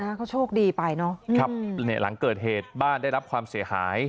เขาโชคดีไปเนอะครับเนี่ยหลังเกิดเหตุบ้านได้รับความเสียหาย